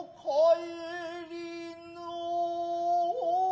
はい。